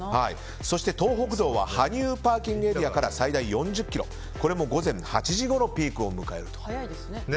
そして東北道は羽生ＰＡから最大４０ｋｍ、これも午前８時ごろピークを迎えると。